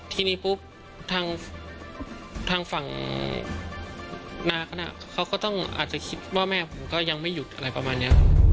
ทีนี้ปุ๊บทางฝั่งน้าเขาน่ะเขาก็ต้องอาจจะคิดว่าแม่ผมก็ยังไม่หยุดอะไรประมาณนี้ครับ